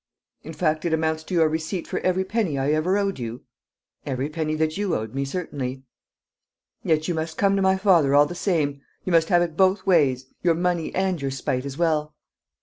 "In fact it amounts to your receipt for every penny I ever owed you?" "Every penny that you owed me, certainly." "Yet you must come to my father all the same; you must have it both ways your money and your spite as well!"